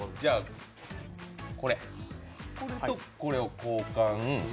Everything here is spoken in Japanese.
これとこれを交換。